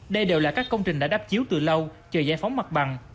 đây đều là các công trình đã đắp chiếu từ lâu chờ giải phóng mặt bằng